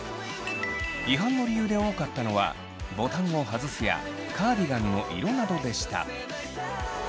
違反の理由で多かったのはボタンを外すやカーディガンの色などでした。